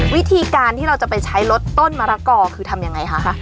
วิธีการที่เราจะไปใช้ลดต้นมะละกอคือทำยังไงคะ